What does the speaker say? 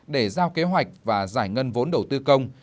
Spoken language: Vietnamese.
để giao kế hoạch và giải ngân vốn đầu tư công